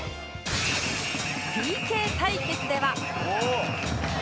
ＰＫ 対決では